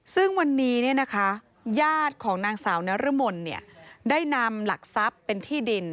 ซึ่งวันนี้ญาติของนางสาวนรมนได้นำหลักทรัพย์เป็นที่ดิน